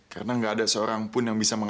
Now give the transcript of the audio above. karena gak ada seorang pun yang bisa memaksa